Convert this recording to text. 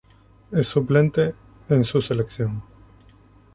Es suplente en su selección.